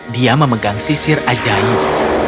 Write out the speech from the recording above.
dia memegang sisir ajaib